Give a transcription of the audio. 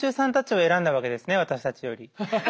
私たちより。